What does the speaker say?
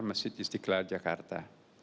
masjid istiqlal jakarta